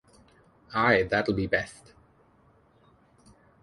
Ay, that'll be best.